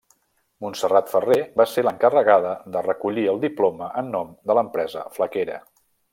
Montserrat Ferrer va ser l'encarregada de recollir el Diploma en nom de l'empresa flequera.